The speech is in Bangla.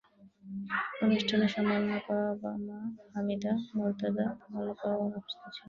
অনুষ্ঠানে সম্মাননা পাওয়া মা হামিদা মুর্তজা বলাকাও অনুপস্থিত ছিলেন।